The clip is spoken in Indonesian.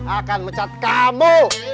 akan mencat kamu